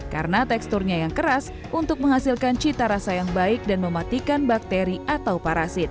karena teksturnya yang keras untuk menghasilkan cita rasa yang baik dan mematikan bakteri atau parasit